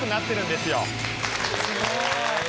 すごい。